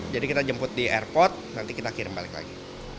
jadi kita jemput di airport nanti kita kirim balik lagi